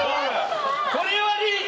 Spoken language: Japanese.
これはリーチ！